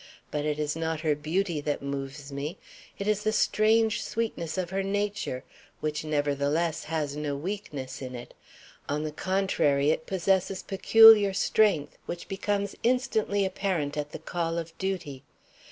But it is not her beauty that moves me; it is the strange sweetness of her nature, which, nevertheless, has no weakness in it; on the contrary, it possesses peculiar strength, which becomes instantly apparent at the call of duty.